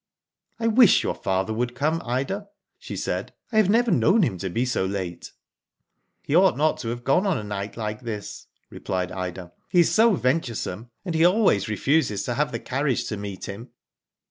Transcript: " I wish your father would come, Ida, " she said. " I have never known him to be so late/' " He ought not to have gone a night like this,*' replied Ida. " He is so venturesome, and he always refuses to have the carriage to meet him."